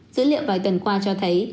dữ liệu vài tuần qua cho thấy